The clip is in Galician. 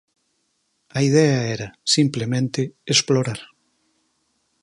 A idea era, simplemente, explorar.